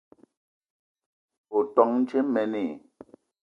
O ton dje mene?